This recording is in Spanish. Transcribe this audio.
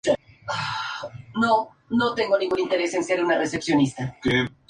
Se desarrolla dentro del Departamento Biedma.